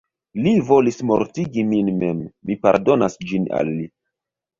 Li volis mortigi min mem, mi pardonas ĝin al li.